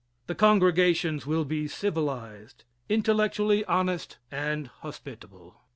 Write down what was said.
The congregations will be civilized intellectually honest and hospitable.